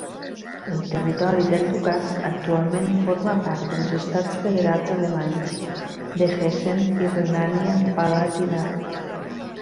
El territori del Ducat actualment forma part dels estats federats alemanys de Hessen i Renània-Palatinat.